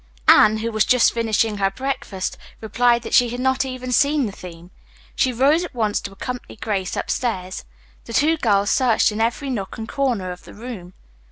Anne, who was just finishing her breakfast, replied that she had not even seen the theme. She rose at once to accompany Grace upstairs. The two girls searched in every nook and corner of the room.